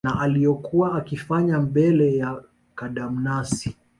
na aliyokuwa akiyafanya bele ya kadamnasi